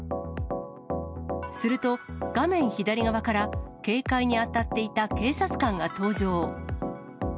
すると、画面左側から、警戒に当たっていた警察官が登場。